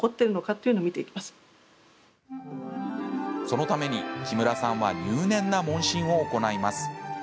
そのために、木村さんは入念な問診を行います。